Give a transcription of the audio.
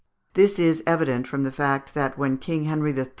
This is evident from the fact that when King Henri III.